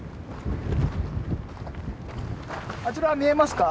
あちら見えますか？